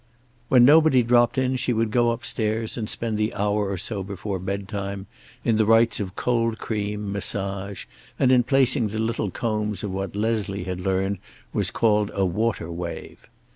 When nobody dropped in she would go upstairs and spend the hour or so before bedtime in the rites of cold cream, massage, and in placing the little combs of what Leslie had learned was called a water wave.